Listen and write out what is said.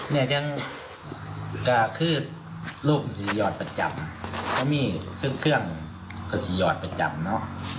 เนี่ยก็คือลูกหยอดประจำก็มีเครื่องหยอดประจำเนาะ